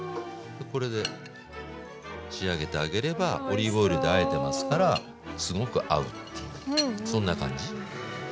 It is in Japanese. これで仕上げてあげればオリーブオイルであえてますからすごく合うっていうそんな感じ。